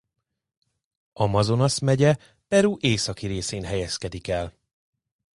Amazonas megye Peru északi részén helyezkedik el.